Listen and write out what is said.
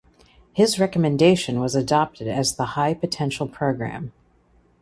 His recommendation was adopted as the High Potential Program.